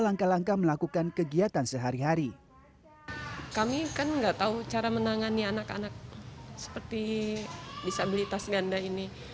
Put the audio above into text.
langkah langkah melakukan kegiatan sehari hari kami kan nggak tahu cara menangani anak anak seperti